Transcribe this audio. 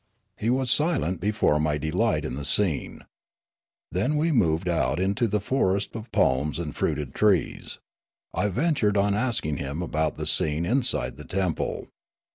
He was silent before my delight in the scene. Then we moved out into the forests of palms and fruited trees. I ventured on asking him about the scene in side the temple.